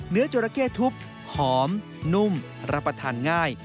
จราเข้ทุบหอมนุ่มรับประทานง่าย